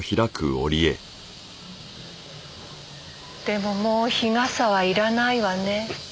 でももう日傘はいらないわね。